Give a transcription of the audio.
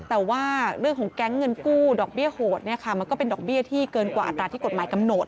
แต่ว่าเรื่องของแก๊งเงินกู้ดอกเบี้ยโหดเนี่ยค่ะมันก็เป็นดอกเบี้ยที่เกินกว่าอัตราที่กฎหมายกำหนด